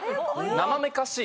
なまめかしい。